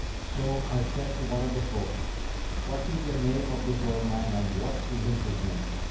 So I said to one of the folk, 'What is the name of this old man and what is his business?'